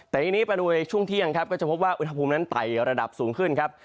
แต่ทีนี้ไปดูในช่วงเที่ยงครับก็จะพบว่าอุณหภูมินั้นไต่ระดับสูงขึ้นครับ